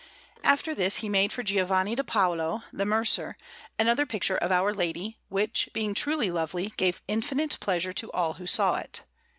After this he made for Giovanni di Paolo, the mercer, another picture of Our Lady, which, being truly lovely, gave infinite pleasure to all who saw it.